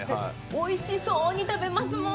おいしそうに食べますもん。